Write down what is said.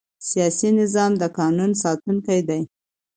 سیاسي نظام د قانون ساتونکی دی